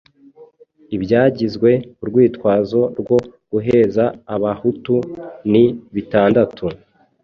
Ibyagizwe urwitwazo rwo guheza Abahutu ni bitandatu